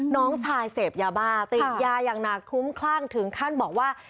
น้องชายเสพยาบ้าติดยาอย่างหนักคุ้มคลั่งถึงขั้นบอกว่า